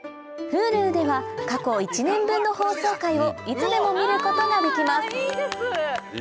Ｈｕｌｕでは過去１年分の放送回をいつでも見ることができますいい感じだね。